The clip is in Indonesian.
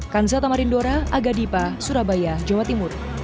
kanza tamarindora aga dipa surabaya jawa timur